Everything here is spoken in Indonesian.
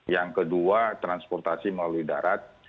yang kedua transportasi melalui darat